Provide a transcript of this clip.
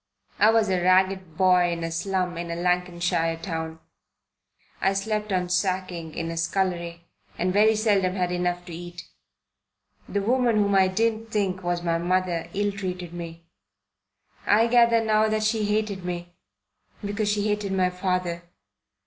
I was a ragged boy in a slum in a Lancashire town. I slept on sacking in a scullery, and very seldom had enough to eat. The woman whom I didn't think was my mother ill treated me. I gather now that she hated me because she hated my father.